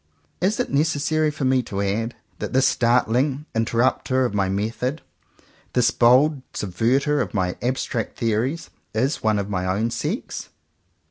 Is it necessary for me to add that this startling interrupter of my method, this bold subverter of my abstract theories, is one of my own sex